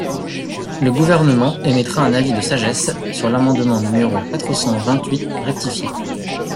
Le Gouvernement émettra un avis de sagesse sur l’amendement numéro quatre cent quatre-vingt-huit rectifié.